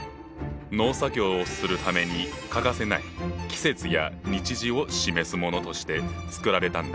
農作業をするために欠かせない季節や日時を示すものとして作られたんだ。